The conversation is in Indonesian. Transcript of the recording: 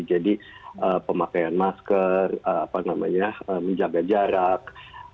jadi pemakaian masker menjaga jarak